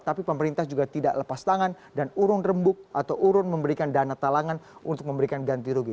tapi pemerintah juga tidak lepas tangan dan urun rembuk atau urun memberikan dana talangan untuk memberikan ganti rugi